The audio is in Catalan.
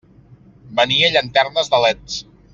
Venia llanternes de leds.